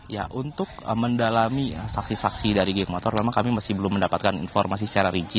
ya untuk mendalami saksi saksi dari geng motor memang kami masih belum mendapatkan informasi secara rinci